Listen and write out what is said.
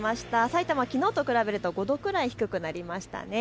さいたま、きのうと比べると５度くらい低くなりました。